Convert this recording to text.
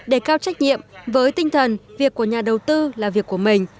để cao trách nhiệm với tinh thần việc của nhà đầu tư là việc của mình